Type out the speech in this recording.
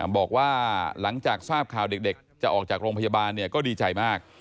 บอกว่าหลังจากทราบข่าวเด็กจะออกจากโรงพยาบาลก็ดีใจมาก